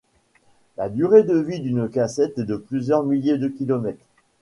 La durée de vie d'une cassette est de plusieurs milliers de kilomètres.